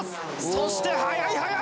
そして速い速い！